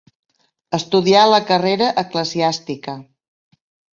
Estudià la carrera eclesiàstica.